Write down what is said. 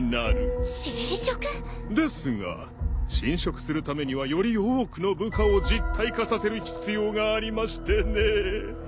ですが侵食するためにはより多くの部下を実体化させる必要がありましてね。